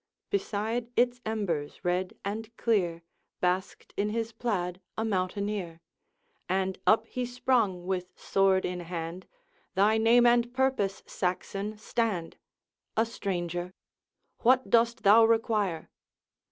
Beside its embers red and clear Basked in his plaid a mountaineer; And up he sprung with sword in hand, 'Thy name and purpose! Saxon, stand!' 'A stranger.' 'What dost thou require?'